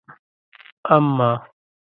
اما